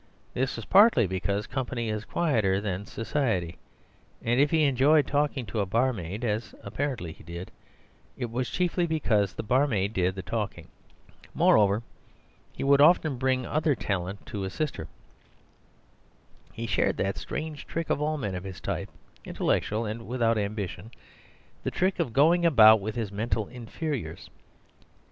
This was partly because company is quieter than society: and if he enjoyed talking to a barmaid (as apparently he did), it was chiefly because the barmaid did the talking. Moreover he would often bring other talent to assist her. He shared that strange trick of all men of his type, intellectual and without ambition—the trick of going about with his mental inferiors.